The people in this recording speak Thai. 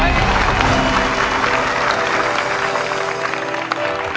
ไม่ใช้